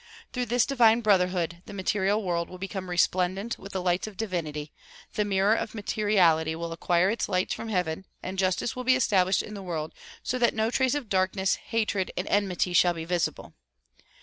Through this divine brotherhood, the material world DISCOURSE DELIVERED IN JERSEY CITY 127 will become resplendent with the lights of divinity, the mirror of materiality will acquire its lights from heaven and justice will be established in the world so that no trace of darkness, hatred and enmity shall be visible.